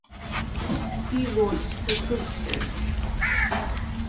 He was persistent.